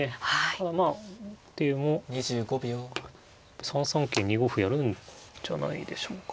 ただまあでも３三桂２五歩やるんじゃないでしょうかね。